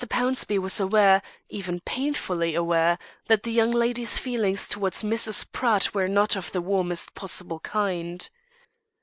Pownceby was aware, even painfully aware, that the young lady's feelings towards Mrs. Pratt were not of the warmest possible kind.